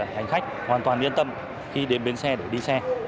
hành khách hoàn toàn yên tâm khi đến bến xe để đi xe